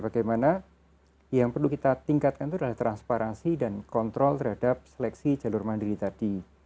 bagaimana yang perlu kita tingkatkan itu adalah transparansi dan kontrol terhadap seleksi jalur mandiri tadi